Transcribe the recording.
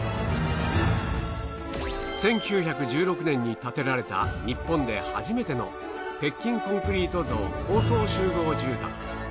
１９１６年に建てられた日本で初めての鉄筋コンクリート造高層集合住宅。